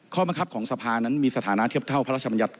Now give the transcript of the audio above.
ข้อบังคับของสภานั้นมีสถานะเทียบเท่าพระราชบัญญัติ